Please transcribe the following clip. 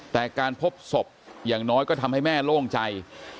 แต่การพบศพอย่างน้อยก็ทำให้แม่โล่งใจ